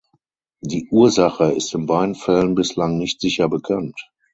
Die Ursache ist in beiden Fällen bislang nicht sicher bekannt.